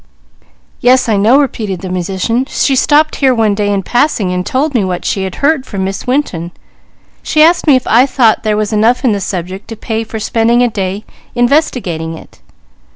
"Yes I know," repeated the musician. "She stopped here one day in passing and told me what she had heard from Miss Winton. She asked me if I thought there were enough in the subject to pay for spending a day investigating it.